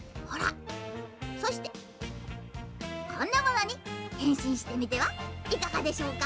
「そしてこんなものにへんしんしてみてはいかがでしょうか？」。